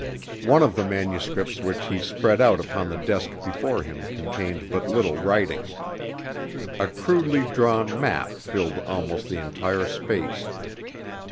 One of the manuscripts which he spread out upon the desk before him contained but little writing. A crudely drawn map filled almost the entire space.